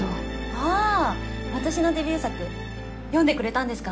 ああ私のデビュー作読んでくれたんですか？